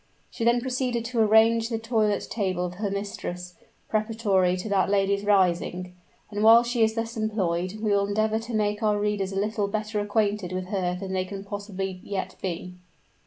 She then proceeded to arrange the toilet table of her mistress, preparatory to that lady's rising; and while she is thus employed, we will endeavor to make our readers a little better acquainted with her than they can possibly yet be.